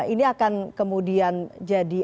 ini akan kemudian jadi